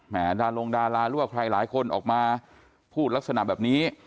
ดารงดาราหรือว่าใครหลายคนออกมาพูดลักษณะแบบนี้